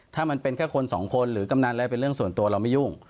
ถ้ามันเป็นแค่คนสองคนหรือกำนันอะไรเป็นเรื่องส่วนตัวเราไม่ยุ่ง